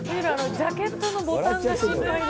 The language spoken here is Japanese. ジャケットのボタンが心配で。